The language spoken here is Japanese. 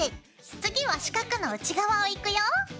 次は四角の内側をいくよ。